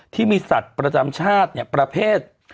ที่มีสัตว์ประจำชาติประเภท